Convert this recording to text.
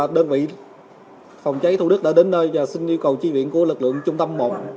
đơn vị phòng cháy thủ đức đã đến nơi và xin yêu cầu chi viện của lực lượng trung tâm một